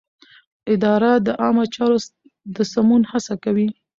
اداره د عامه چارو د سمون هڅه کوي.